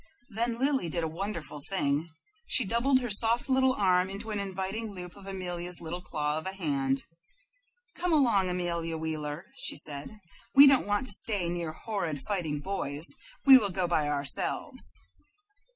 Then Lily did a wonderful thing. She doubled her soft little arm into an inviting loop for Amelia's little claw of a hand. "Come along, Amelia Wheeler," said she. "We don't want to stay near horrid, fighting boys. We will go by ourselves."